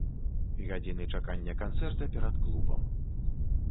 Гадзіны чакання канцэрта перад клубам.